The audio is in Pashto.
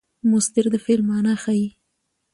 مصدر د فعل مانا ښيي.